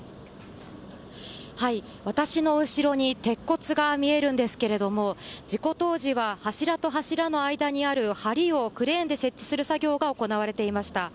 私の後ろに鉄骨が見えるんですけれども事故当時は柱と柱の間にある梁をクレーンで設置する作業が行われていました。